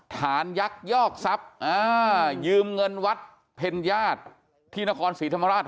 ยักยอกทรัพย์ยืมเงินวัดเพ็ญญาติที่นครศรีธรรมราช